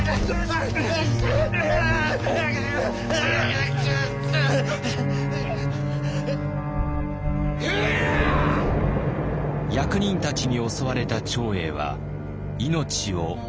役人たちに襲われた長英は命を落とします。